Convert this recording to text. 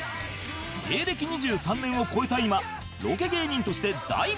芸歴２３年を超えた今ロケ芸人として大ブレイク！